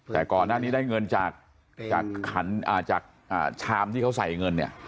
แต่ก่อนหน้านี้ได้เงินจากจากขันอ่าจากอ่าชามที่เขาใส่เงินเนี่ย